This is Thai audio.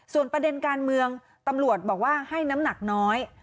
ส่วนประเด็นการเมืองตำรวจบอกว่าให้น้ำหนักน้อย